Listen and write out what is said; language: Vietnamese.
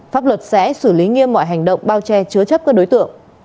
pháp luật sẽ xử lý nghiêm mọi hành động bao che chứa chấp các đối tượng